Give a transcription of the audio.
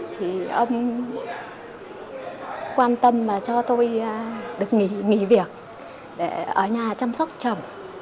thì ông quan tâm và cho tôi được nghỉ việc để ở nhà chăm sóc chồng